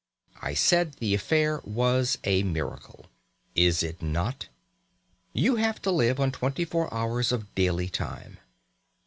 I said the affair was a miracle. Is it not? You have to live on this twenty four hours of daily time.